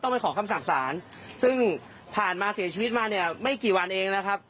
ไปขอคำสั่งสารซึ่งผ่านมาเสียชีวิตมาเนี่ยไม่กี่วันเองนะครับ